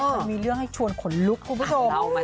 มันมีเรื่องให้ชวนขนลุกคุณผู้ชม